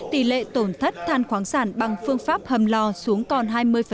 tỷ lệ tổn thất than khoáng sản bằng phương pháp hầm lò xuống còn hai mươi